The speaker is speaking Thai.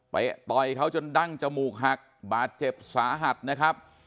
ไปต่อยเขาจนดั้งจมูกหักบาดเจ็บสาหัสนะครับ